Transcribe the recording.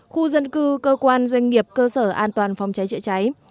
khu dân cư cơ quan doanh nghiệp cơ sở an toàn phòng cháy chữa cháy